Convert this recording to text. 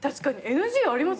ＮＧあります？